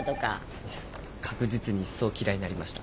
確実に一層嫌いになりました。